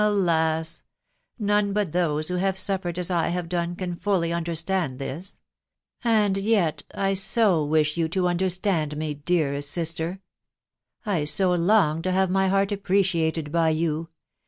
Ake J none tat these who hare suffered as I have done can ftfly understand this. .*. And yet 2 so rnneh wish yen to tmdetstand me, deadest sister !.... I so long to hate my heart appreciated by you